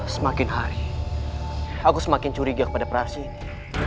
semakin hari aku semakin curiga kepada perasaan ini